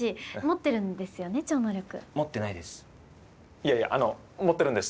いやいや持ってるんです。